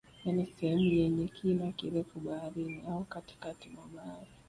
Yani sehemu yenye kina kirefu baharini au katikati mwa bahari